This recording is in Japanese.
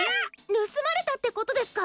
ぬすまれたってことですか？